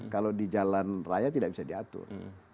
kalau di jalan raya tidak bisa diatur